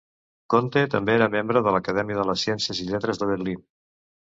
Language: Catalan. Conte també era membre de l'Acadèmia de les ciències i lletres de Berlín.